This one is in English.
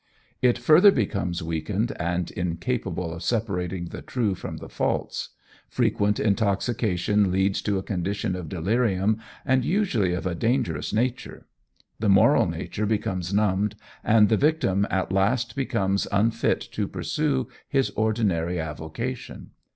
It further becomes weakened and incapable of separating the true from the false; frequent intoxication leads to a condition of delirium, and usually of a dangerous nature; the moral nature becomes numbed, and the victim at last becomes unfit to pursue his ordinary avocation.